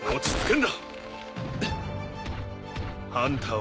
ん？